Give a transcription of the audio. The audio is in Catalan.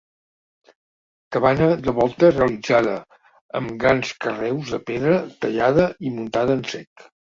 Cabana de volta realitzada amb grans carreus de pedra tallada i muntada en sec.